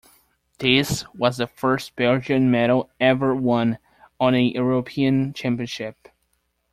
This was the first Belgian medal ever won on a European Championship.